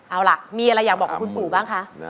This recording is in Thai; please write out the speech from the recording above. เอาล่ะมีอะไรอยากบอกกับคุณปู่บ้างคะ